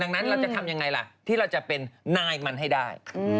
ดังนั้นเราจะทำยังไงล่ะที่เราจะเป็นนายมันให้ได้